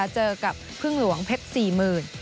เจอกับพึ่งหลวงเพชร๔๐๐๐บาท